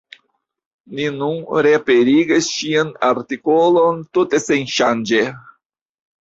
Ni nun reaperigas ŝian artikolon tute senŝanĝe.